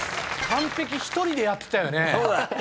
完璧１人でやってたよね。